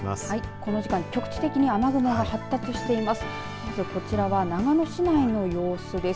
この時間、局地的に雨雲が発達しています。